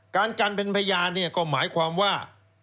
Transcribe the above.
การกันเป็นพยานเนี่ยก็หมายความว่า